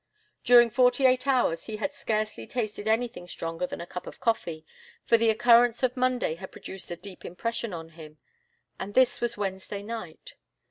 During forty eight hours he had scarcely tasted anything stronger than a cup of coffee, for the occurrence of Monday had produced a deep impression on him and this was Wednesday night.